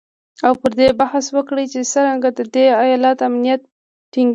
او پر دې بحث وکړي چې څرنګه د دې ایالت امنیت ټینګیدلی شي